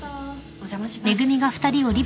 お邪魔します。